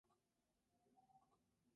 Resultado Parcial.